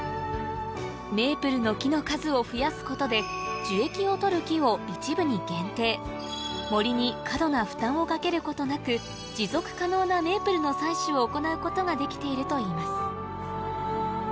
メープルの木の数を増やすことで森に過度な負担をかけることなく持続可能なメープルの採取を行うことができているといいます